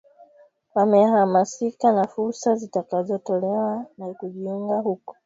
wamehamasika na fursa zitakazoletwa na kujiunga huko